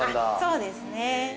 ◆そうですね。